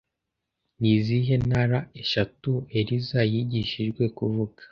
Ni izihe ntara eshatu Eliza yigishijwe kuvuga